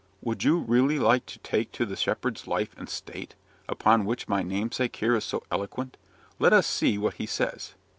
Would you really like to take to the 'shepherd's life and state,' upon which my namesake here is so eloquent? Let us see what he says."